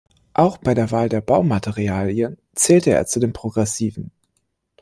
Auch bei der Wahl der Baumaterialien zählte er zu den Progressiven.